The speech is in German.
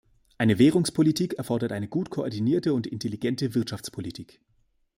Eine Währungspolitik erfordert eine gut koordinierte und intelligente Wirtschaftspolitik.